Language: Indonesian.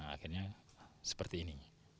akhirnya seperti ini